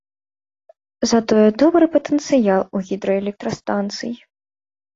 Затое добры патэнцыял у гідраэлектрастанцый.